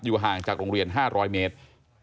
ห่างจากโรงเรียน๕๐๐เมตร